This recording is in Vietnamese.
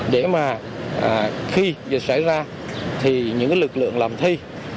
để mà khi việc xảy ra thì những lực lượng làm thi